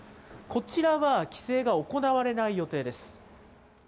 こちらは規制が行われない予定です。